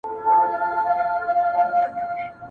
چي پخپله ځان ګمراه کړي او احتیاج سي !.